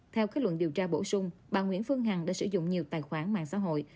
theo kết luận điều tra bổ sung bà nguyễn phương hằng đã sử dụng nhiều tài khoản mạng xã hội